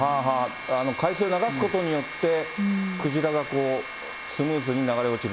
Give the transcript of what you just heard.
海水流すことによって、クジラがこう、スムーズに流れ落ちる。